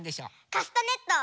カスタネット！